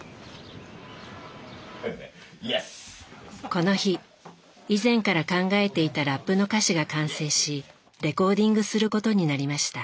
この日以前から考えていたラップの歌詞が完成しレコーディングすることになりました。